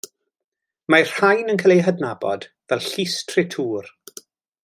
Mae'r rhain yn cael eu hadnabod fel Llys Tretŵr.